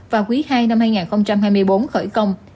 và quý ii năm hai nghìn hai mươi bốn khởi công